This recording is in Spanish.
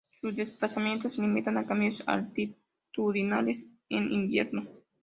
Sus desplazamientos se limitan a cambios altitudinales en invierno.